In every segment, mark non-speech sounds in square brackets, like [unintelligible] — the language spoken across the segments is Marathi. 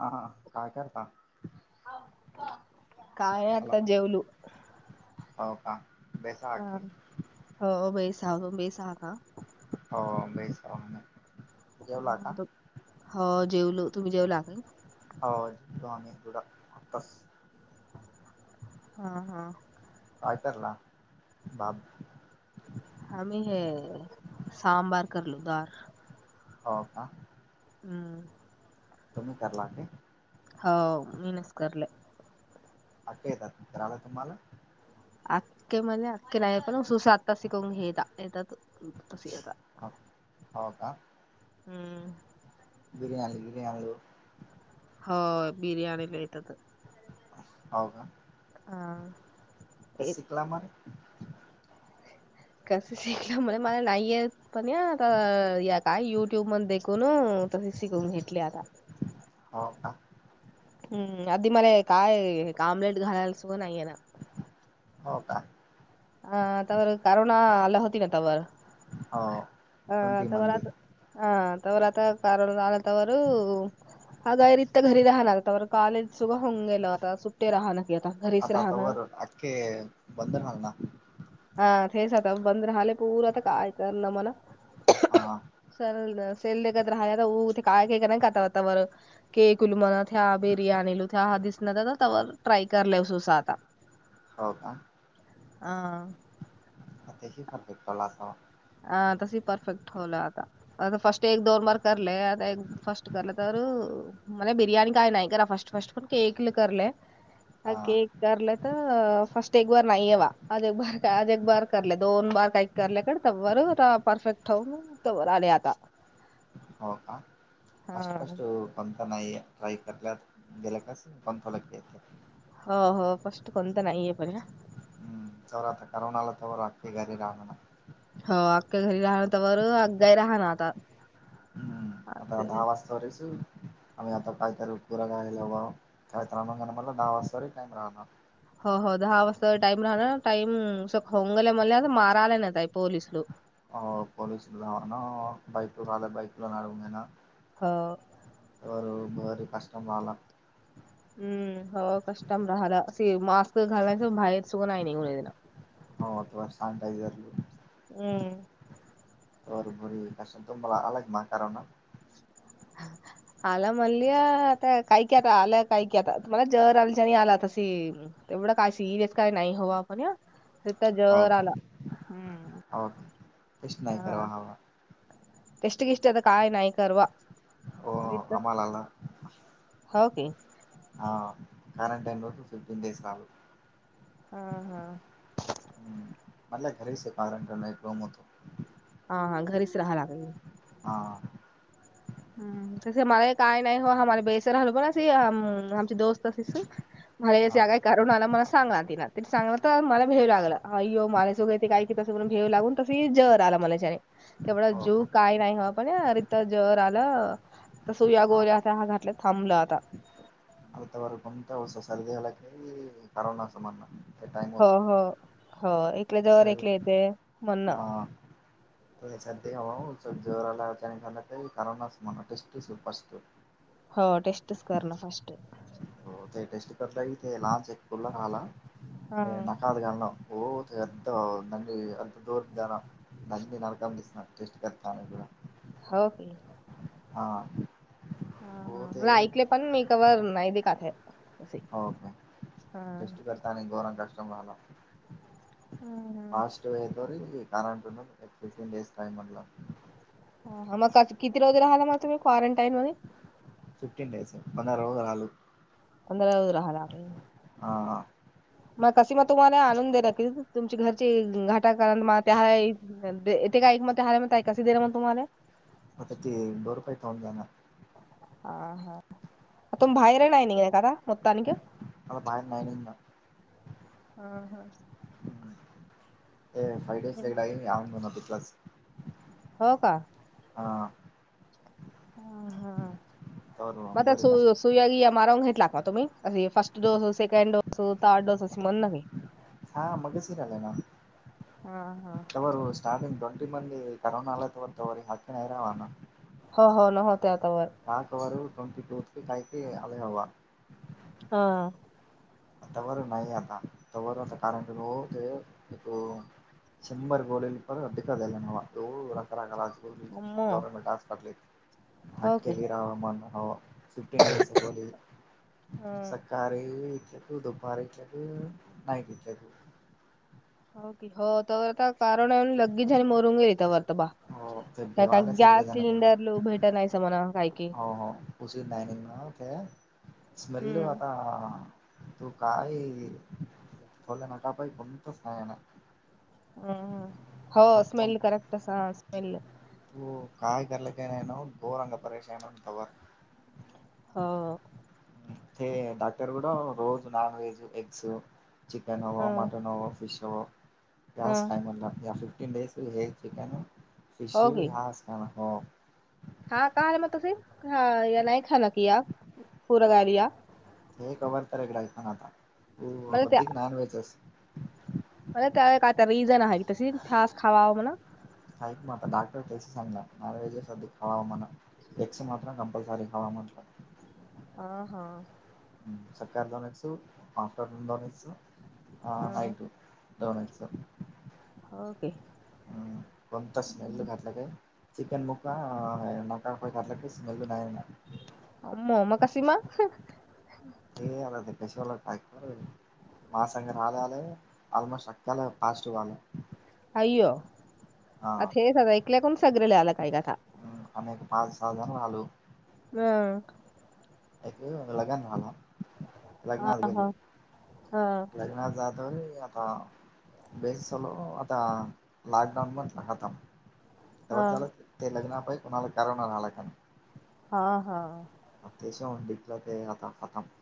हां काय करता? काय आता जेवलू. हाव का हा. बैसाखी हो बाई [unintelligible] [unintelligible] जेवला का? हो जेवलो तुम्ही जेवला काय? हो [unintelligible] हां हां. काय करला [unintelligible] आम्ही हे सांबार करलो दवार. हो का. हम्म. तुम्ही [unintelligible] हो मीनच करले. अक्के येतात करायला तुम्हाला? [unintelligible] हो, हो का? हम्म. बिरयाणी बिरयाणी आलो. हो बिर्याणीला येतात. हो का? हा. कस शिकला [unintelligible] कस शिकलं म्हणे मला नाही येत पण या आता या काय युट्यूब मण देखुनो. तसंच शिकवून घेतले आता. हो का? हम्म. आधी मला काय आम्लेट घालाय सुवा नाहीये ना. हो का? आ तवर करोना आली होती ना तवर. हो. अ ट्वेंटी तवर मध्ये आता अ तवर आता कारण आला तवरु हा [unintelligible] घरी राहणार आता तवर काॅलेज सुगा होऊन गेलं आता सुट्टे राहणार. की घरीच आता आता राहणं. वर आख्खे बंद [unintelligible] हा तेच आता बंद राहले पूरा आता काय कर ना मला. हां. [unintelligible] [unintelligible] हो कां. [unintelligible] अ तसे परफेक्ट ठेवलं आता. [unintelligible] फस्ट फस्ट पण के एकले करले अं हा के [unintelligible] तर परफेक्ट हो, मग तर आले आता. हो का? हा फास्ट फास्ट कोणता नाही ट्राय कराल्यात गेला [unintelligible] हो हो. फर्स्ट कोणत नाही, आहे पण ना. [unintelligible] [unintelligible] आता दहा वाजता, आता पाय पुरा गाणी लावा. [unintelligible] राहणार हो हो दहा वाजता टाईम राहणार. टाईम सख होंगले मले आता माराले नाहीे काय पोलीस लोक. हो पलूसला ना बायको रा बायकोला [unintelligible] नेणार. हो. बर बर, कस्टमर आला. हम्म हो कष्टम राहाला स मास्क घाल नाही स बाहेर [unintelligible] हो अथवा सॅनिटायझर [unintelligible] हम्म. बर बर असलं तुम्हाला अलाग म्हातारा ना. [unintelligible] आला म्हणली आता काय की आता आलं काय की आता तुम्हाला जर आल आणि आला तशी. तेवढं काय सिरियस काही नाही, हव आपण या ते तर हो जर आल. [unintelligible] करावा हवा [unintelligible] हो तिथं आम्हाला ला हो की हा कॉरंटाईन [unintelligible] मिच राहिलो. हा हा.. [unintelligible] हा हा.. घरीच राहा लागलं. हां.. [unintelligible] मला काय करुणाला मला सांगणार, तिं त सांगलं तर मला भेऊू लागलं आ्यो मलाच वगैरे ते काय. तिच्यासोबत भेव लागून तस जर आला [unintelligible] [unintelligible] तर सुया गोऱ्या हा, घाटलं थांबलं आता. [unintelligible] करोना हो हो हो एकल्या जो वर एकले येते म्हण ना. [unintelligible] हो टेस्टच करणं फर्स्ट आहे. ते टेस्ट करलाग ते लाच एक, आला राला हा नाकात घालणं. [unintelligible] [unintelligible] दिसणार टेस्ट करता. हो की. हां. [unintelligible] हा. [unintelligible] हम्. [unintelligible] हा.. हां.. मग किती रोज राहला मग तुम्ही क्वारंटाईन मध्ये. फिफ्टीन डेज [unintelligible] पंधरा दिवस राहावं लागेल. हा हा.. मग कस मग तुम्हाला आणून दे, न क तुमची घरची घाटा कारण म त्या आहे. तेे का एकक म हाय मग, कसे दिलं मग तुम्हाले. आता ते बर्फही खाऊन जाणार. [unintelligible] आता बाहेर नाही निघणार. हा हा. [unintelligible] हो का. हा.. [unintelligible] तवर भारी कष्ट तुम्ही अस फर्स्टडोस सेकंडोस थर्डोस अशी म्हणलं म्हण नाही. हा मगाशी राहिला ना तोवर व स [unintelligible] हो हो. न होते आता वर. [unintelligible] हवा. आ.. आता व नाही आता तवर, आता कारण काय ओ ते. शंभर गोल्यांनी पर देख झाले नवा मग हो की [unintelligible] [unintelligible] फिफ्टिन डेज उगवली [unintelligible] तू दुपार [unintelligible] नाही घेतल्या तू. हो क हो तर आता कारण आहे लगेच आणि मोरूनंगेली त्यावर तर बा. हो ते का का भेवायला सिरका गॅस जाण सिलेंडर लो भेटत नाहीच मणा काय की. हो हो उशी डायनिंग ओके स्मेल हम्म आता तू काय [unintelligible] हम हो स्मेल करेक्ट हा स्मेल [unintelligible] [unintelligible] हो. ते ते डाक्टर बोले रोज नॉनव्हेज खायच [unintelligible] चिकन हवं, हाँ मटन हवं, फिश हाँ हवं [unintelligible] हे चिकन फिश ह हो. हा का र म तुसे हा या नाही खा न कि पुूर गा लि [unintelligible] हे कबर तरकडा पण आता अधिक नाॉन वहेज असस [unintelligible] तर त्या काय त्या रिझन आहे की तशीस खावा म्हणा. [unintelligible] डॉक्टर त्याचे सांगणार [unintelligible] [unintelligible] आ हा. [unintelligible] हा हा येतो दोघांनच. होके. कोणता स्मेल घातला काय, चिकन मुका नका काय घातलं काही स्मेल नाही येणार. म मघाशी मग ते आला ते पशवाला काय कर मा संग राला आला आलमोस्ट सकाला पाझिटव्ह आलं अय्यो हा आता हे स ऐकल्या कोन सग्रेला आला काय काथ. ह आम्ही एक पाच सहाजण आलो. अं.. एक लगन झालं लग्नात गेले [unintelligible] [unintelligible] आता. [unintelligible] जव ते लग्ना पाही कोणाला कारना राहिला का नाही. हा हा. अत्याशव वडीटला ते आता [unintelligible]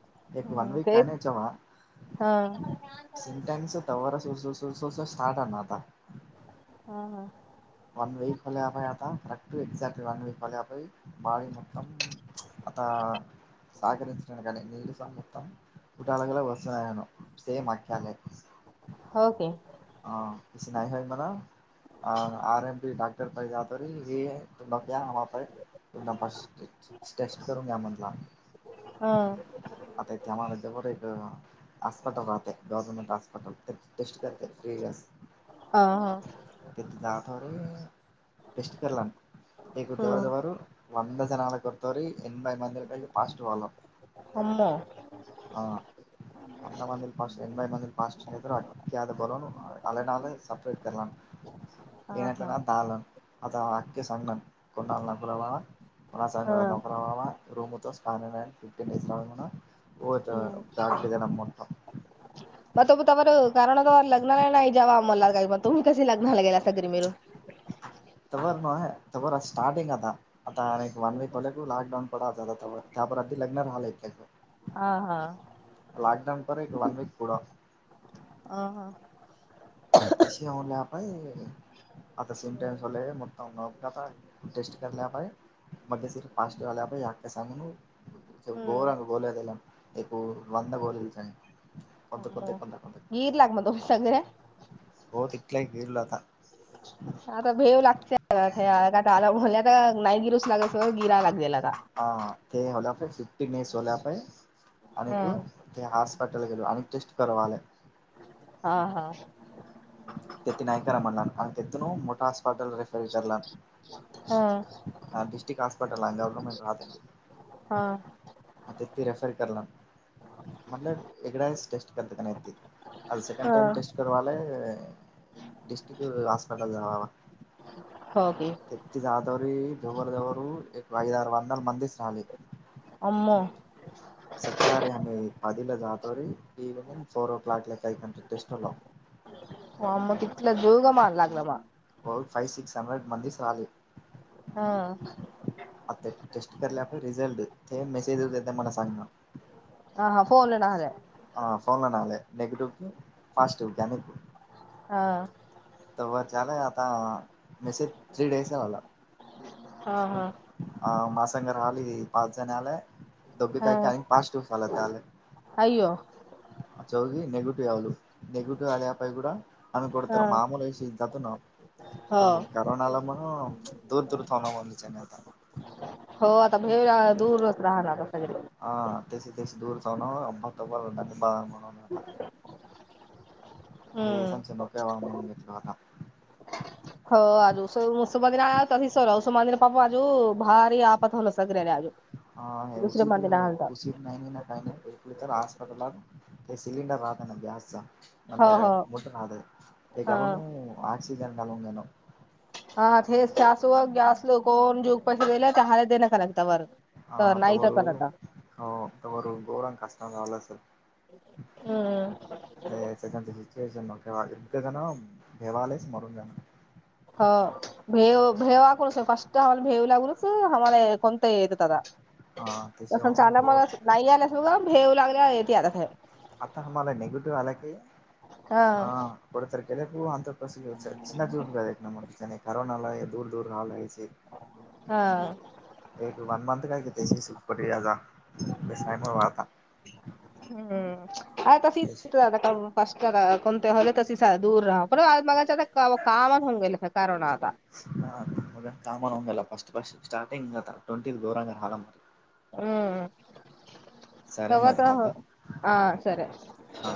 [unintelligible] स [unintelligible] हा हां. वन वीक खलपया आ [unintelligible] आता [unintelligible] कुठाळगला वसूनण स मकाले [unintelligible] होके. हा क नाही नाही हो मला आर एम पी डाक्टर पा जतरी हे [unintelligible] तु न [unintelligible] तुम टेस्ट करून घ्या मणला हा. आता ते आम्हाला जवळ एक हॉस्पिटल राहते गव्हर्नमेंट हॉस्पिटल टेस्ट करते. ठीक आहे. [unintelligible] [unintelligible] [unintelligible] [unintelligible] [unintelligible] [unintelligible] होत हम्म [unintelligible] नम मोठं मग तुमी तवर कारण तर लग्ना ला नाहीग नाही जावा मला काय तुम्ही कशी लग्नाला गेला सगरी मिळून. [unintelligible] स्टार्टिंग आता. आता एक वन [unintelligible] हा हा... लॉकडाऊन [unintelligible] अ... हं... आ तेश होण्यापै. आता [unintelligible] टेस्ट केल्या पाय. [unintelligible] [unintelligible] गीर लाग मग तुम सगळ. होत इतलाही फिरल आता. [unintelligible] तेलाप फिफ्टीन स होलाफय आणि हा एक [unintelligible] ते हॉस्पिटल गेलो आणि टेस्ट करवाले. हा हा.. [unintelligible] हां.. [unintelligible] स्टिक हस्पटलला गव्हर्मेंट राहतेय ना. हा.. आता रेफर करला म्हणलं एकड्याच टेस्ट करत का नाही ते. अज सेकंड हा टाम टेस्ट करावालेे डिस्ट्रिक हॉस्पिटल जावावा. होगे [unintelligible] तेती जाादवरी धोर धोरू एक आदार वंदर मंदिर राली [unintelligible] आम्मो [unintelligible] [unintelligible] [unintelligible] हो फाईव्ह सिक्स हंड्रेड मंदीस आले हा आता टेस्ट करल्याप रिझल्ट ते मेसेज ते मला सांगा [unintelligible] [unintelligible] [unintelligible] हा.. त वर चले आता मेसेज थ्री डेस आहे वाला हा हा हा माझं संग राहीले पाच जण आलाय. धबे काय का पाच दिवस आले ते आले. अयो, [unintelligible] हा [unintelligible] हो ग करोना ल म्हण दूर दूर तणाम म्हली च नाहीता हो आता भे दूरच राहणा आता सगळे. ह तेस तेशी दूर तन अंबा तोवा दनी बाग [unintelligible] [unintelligible] घेतला होता. हो आज ससुमा दिने आत ससुमा दिपा आजू भा आपत होलं सगळ्यानी आजून दुसरे मध्ये हाल [unintelligible] नाही नाही ना काही नाहीकली तर हॉस्पिटलला ते सिलेंडर राहत ना गॅसचा. हो नला हो मुठ रा त हा कालाणून आक्सिजन कालावून घेण [unintelligible] [unintelligible] तर नाईट असणार आता. हो त गौरवां कष्टम रावला सर. [unintelligible] [unintelligible] [unintelligible] आत्ता हा मला निगेटिव्ह आला की हा परत [unintelligible] [unintelligible] ना मग त्याने ठरवून आलय आणि दूर दूर राहिलाय [unintelligible] हा. एू वन मंथ काय घेत [unintelligible] हम्म.. त्याची [unintelligible] करून [unintelligible] [unintelligible] हम्म. चालेल तवा मग [unintelligible] तर ना आता हा सरे हा.